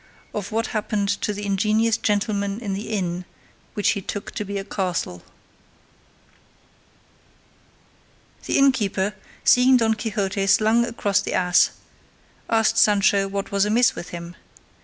OF WHAT HAPPENED TO THE INGENIOUS GENTLEMAN IN THE INN WHICH HE TOOK TO BE A CASTLE The innkeeper, seeing Don Quixote slung across the ass, asked Sancho what was amiss with him.